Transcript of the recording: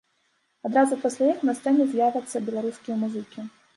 Адразу пасля іх на сцэне з'явяцца беларускія музыкі.